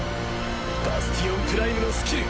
バスティオン・プライムのスキル！